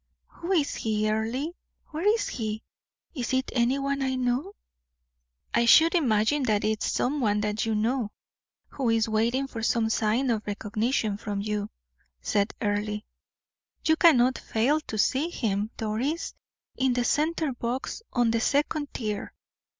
"Who is he, Earle? Where is he? Is it any one I know?" "I should imagine that it is some one you know, who is waiting for some sign of recognition from you," said Earle. "You cannot fail to see him, Doris, in the center box on the second tier.